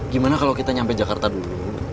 gimana kalo kita nyampe jakarta dulu